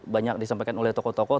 banyak disampaikan oleh tokoh tokoh